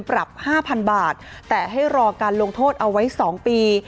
ปรับ๕๐๐๐บาทแต่ให้รอการลงโทษเอาไว้๒ปี